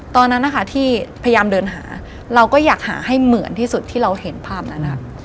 ตอนนั้นนะคะที่พยายามเดินหาเราก็อยากหาให้เหมือนที่สุดที่เราเห็นภาพนั้นนะคะ